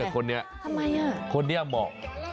คนเนี่ยเขาเนี่ยเหมาะ